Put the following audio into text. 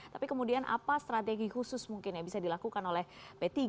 tapi kemudian apa strategi khusus mungkin yang bisa dilakukan oleh p tiga